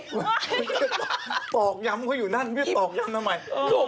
ตอกย้ำเขาอยู่นั่นพี่ตอกย้ำทำไม